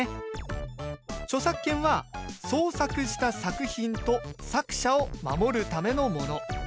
著作権は創作した作品と作者を守るためのもの。